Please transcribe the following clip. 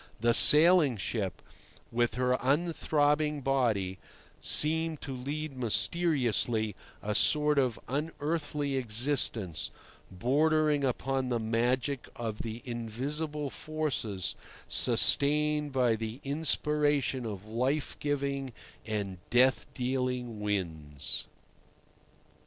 The sailing ship, with her unthrobbing body, seemed to lead mysteriously a sort of unearthly existence, bordering upon the magic of the invisible forces, sustained by the inspiration of life giving and death dealing winds.